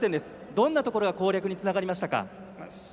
どんなところが攻略につながりましたか？